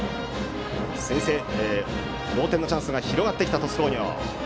同点のチャンスが広がってきた鳥栖工業。